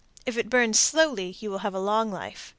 If it burns slowly you will have a long life.